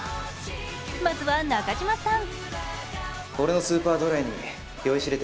まずは中島さん。